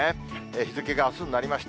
日付があすになりました。